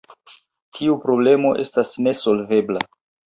Tiu problemo estas nesolvebla.